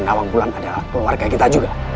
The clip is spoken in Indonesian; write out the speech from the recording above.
nawang mulan adalah keluarga kita juga